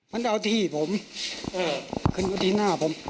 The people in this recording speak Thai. มันเอาที่ผมขึ้นมาที่หน้าผม